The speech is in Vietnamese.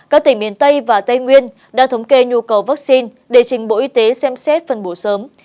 các tỉnh miền tây và tây nguyên đã thống kê nhu cầu vaccine để trình bộ y tế xem xét phân bổ sớm